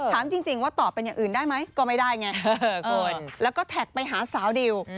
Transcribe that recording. ถามจริงว่าตอบเป็นอย่างอื่นได้ไหมก็ไม่ได้ไงคุณแล้วก็แท็กไปหาสาวดิว